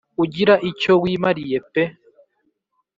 ugira icyo wayimariye pe